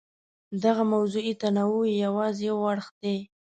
دغه موضوعي تنوع یې یوازې یو اړخ دی.